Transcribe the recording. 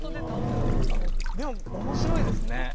でも面白いですね。